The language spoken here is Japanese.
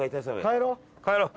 帰ろう。